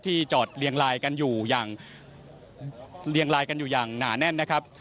ที่จอดเรียงลายกันอยู่อย่างหนาแน่นนะครับ